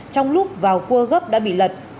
trong lúc vào cua gấp đã bị lật